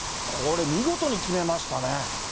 これ見事に決めましたね。